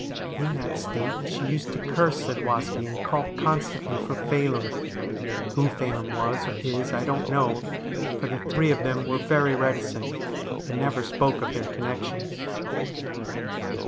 In that state she used to curse Zadwaski, and call constantly for Phelim. Who Phelim was or is I don't know, for the three of them were very reticent, and never spoke of their connections.